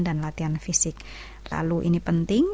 latihan fisik lalu ini penting